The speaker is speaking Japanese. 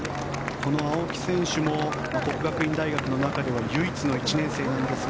この青木選手も國學院大學の中では唯一の１年生です。